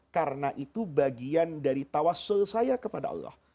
karena itu bagian dari tawassul saya kepada allah